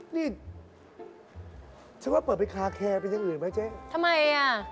นี่ฉันว่าเปิดไปคาแคร์เป็นอย่างอื่นไหมเจ๊ทำไมอ่ะ